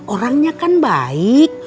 orangnya kan baik